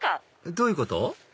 どういうこと？